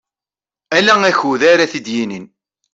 Ala akud ara t-id-yinin.